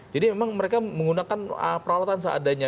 jadi memang mereka menggunakan peralatan seadanya